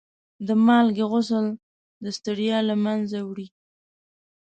د مالګې غسل د ستړیا له منځه وړي.